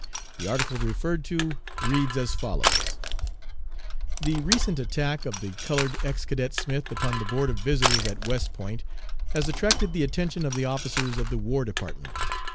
The article referred to reads as follows: "'The recent attack of the colored, ex Cadet Smith upon the Board of Visitors at West Point has attracted the attention of the officers of the War Department.